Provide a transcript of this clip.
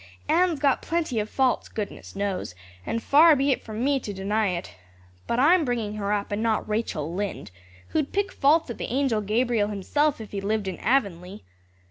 Anne's got plenty of faults, goodness knows, and far be it from me to deny it. But I'm bringing her up and not Rachel Lynde, who'd pick faults in the Angel Gabriel himself if he lived in Avonlea.